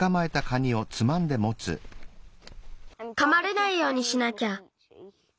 かまれないようにしなきゃ。